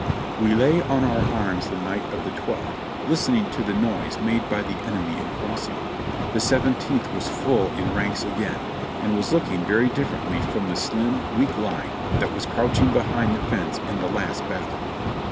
We lay on our arms the night of the twelfth, listening to the noise made by the enemy in crossing. The Seventeenth was full in ranks again, and was looking very differently from the slim, weak line that was crouching behind the fence in the last battle.